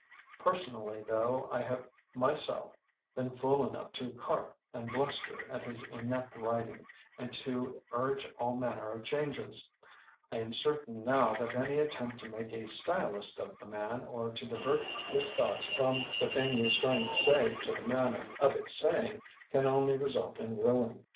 Personally, though I have myself been fool enough to carp and bluster at his inept writing and to urge all manner of changes, I am certain now that any attempt to make a stylist of the man or to divert his thought from 38 THE BOOKMAN the thing he is trying to say to the manner of its saying, can only result in ruin.